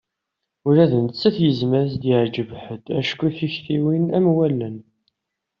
Ula d nettat tezmer ad s-yeɛǧeb ḥedd acku tiktiwin am wallen.